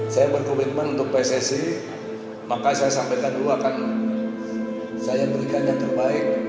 saya berkomitmen untuk pssi maka saya sampaikan dulu akan saya berikan yang terbaik